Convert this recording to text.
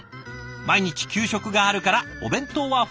毎日給食があるからお弁当は不要とのこと。